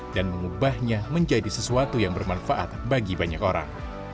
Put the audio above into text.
mengubahnya menjadi sesuatu yang bermanfaat bagi banyak orang